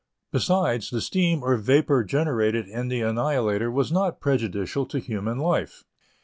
Besides, the steam or vapor generated in the Annihilator was not prejudicial to human life.